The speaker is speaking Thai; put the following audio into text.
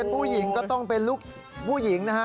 นี่เด็กผู้หญิงนะ